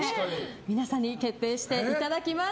皆さんに決定していただきます。